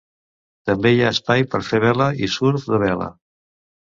També hi ha espai per fer vela i surf de vela.